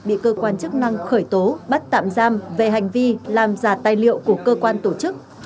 bị cơ quan chức năng khởi tố bắt tạm giam về hành vi làm giả tài liệu của cơ quan tổ chức